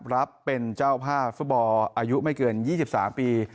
รับเป็นเจ้าภาพฟุตบอลอายุไม่เกิน๒๓ปี